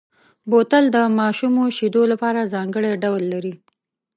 بوتل د ماشومو شیدو لپاره ځانګړی ډول لري.